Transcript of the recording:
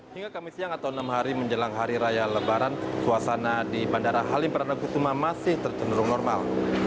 hingga kamis siang atau enam hari menjelang hari raya lebaran suasana di bandara halim perdana kusuma masih tercenderung normal